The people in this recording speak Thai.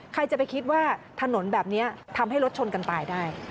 ใครจะไปคิดว่าถนนแบบนี้ทำให้รถชนกันตายได้